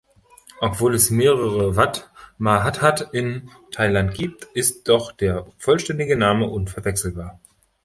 Obwohl es mehrere Wat Mahathat in Thailand gibt, ist doch der vollständige Name unverwechselbar.